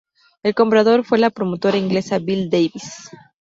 El comprador fue la promotora inglesa Bill Davies.